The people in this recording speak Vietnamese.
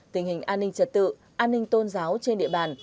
tình hình an ninh trật tự an ninh tôn giáo trên địa bàn